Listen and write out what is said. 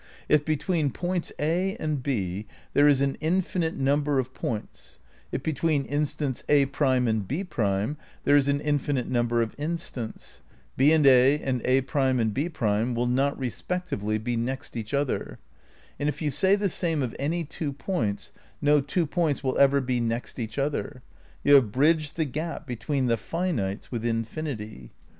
If between points A and B there is an infi nite number of points, if between instants A' and B' there is an infinite number of instants, B and A and A' and B' will not respectively be next each other ; and if you say the same of any two points, no two points will ever be next each other. You have bridged the gap between the finites with infinity.